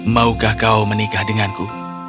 maukah kau menikah denganku